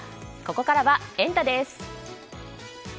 ここからはエンタ！です。